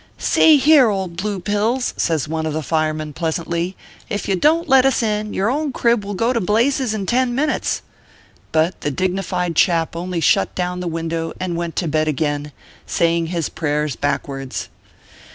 " See here, old blue pills," says one of the firemen, pleasantly, " if you don t let us in, your own crib will go to blazes in ten minutes." But the dignified chap only shut down the window and went to bed again, saying his prayers backwards.